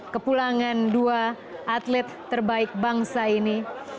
kepulangan dua atlet terbaik bangsa ini